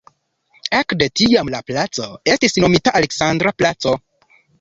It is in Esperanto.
Ekde tiam la placo estis nomita "Aleksandra placo".